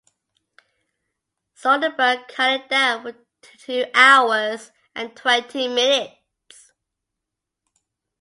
Soderbergh cut it down to two hours and twenty minutes.